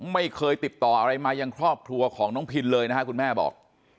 ไม่เคยติดต่ออะไรมายังครอบครัวของน้องพินเลยนะครับคุณแม่บอก